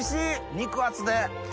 肉厚で。